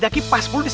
yang enak banget